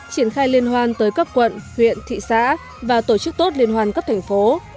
triển khai liên hoan tới các quận huyện thị xã và tổ chức tốt liên hoan các thành phố